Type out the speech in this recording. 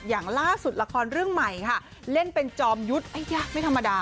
อย่างล่าสุดละครเรื่องใหม่ค่ะเล่นเป็นจอมยุทธ์ยากไม่ธรรมดา